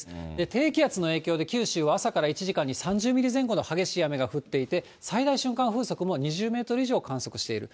低気圧の影響で、九州は朝から１時間に３０ミリ前後の激しい雨が降っていて、最大瞬間風速も２０メートル以上を観測している。